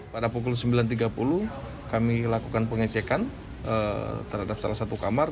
pada pukul sembilan tiga puluh kami lakukan pengecekan terhadap salah satu kamar